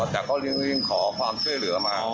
แต่ก็ยังขอความช่วยเหลือมา